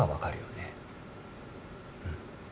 うん。